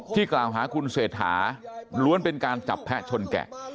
กล่าวหาคุณเศรษฐาล้วนเป็นการจับแพะชนแกะ